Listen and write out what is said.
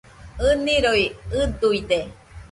ɨniroi ɨduide